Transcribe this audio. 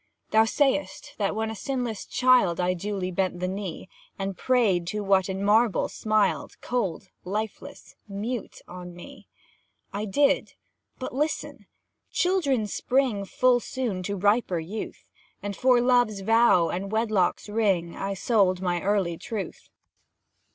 Thou say'st, that when a sinless child, I duly bent the knee, And prayed to what in marble smiled Cold, lifeless, mute, on me. I did. But listen! Children spring Full soon to riper youth; And, for Love's vow and Wedlock's ring, I sold my early truth.